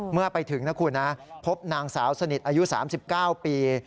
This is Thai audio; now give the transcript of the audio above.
เมื่อไปถึงนะคุณนะพบนางสาวสนิทอายุ๓๙ปี